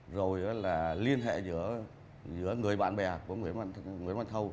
rồi là liên hệ giữa người bạn bè của nguyễn văn thâu